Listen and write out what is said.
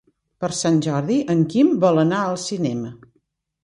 Per Sant Jordi en Quim vol anar al cinema.